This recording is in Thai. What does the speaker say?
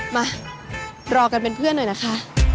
มารอกันเป็นเพื่อนหน่อยนะคะ